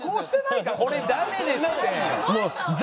これダメですって。